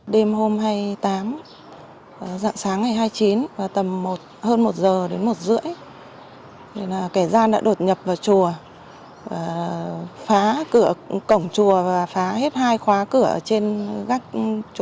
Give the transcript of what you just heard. đêm hôm hai mươi tám dặn sáng ngày hai mươi chín tầm hơn một giờ đến một rưỡi kẻ gian đã đột nhập vào chùa phá cổng chùa và phá hết hai khóa cửa trên các chỗ